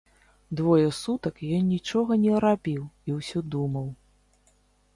Двое сутак ён нічога не рабіў і ўсё думаў.